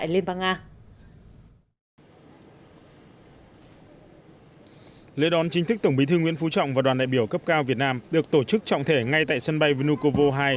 lễ đón chính thức tổng bí thư nguyễn phú trọng và đoàn đại biểu cấp cao việt nam được tổ chức trọng thể ngay tại sân bay vnukovo hai